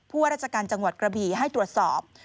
ว่าราชการจังหวัดกระบี่ให้ตรวจสอบ